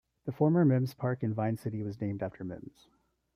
The former Mims Park in Vine City was named after Mims.